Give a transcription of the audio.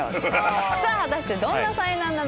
さあ果たしてどんな災難なのか？